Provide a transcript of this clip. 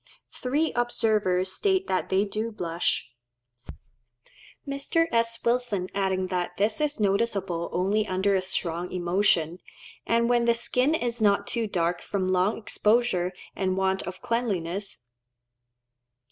Three observers state that they do blush; Mr. S. Wilson adding that this is noticeable only under a strong emotion, and when the skin is not too dark from long exposure and want of cleanliness.